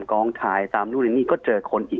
ลองถ่ายที่นู่นนี้ก็เจอคน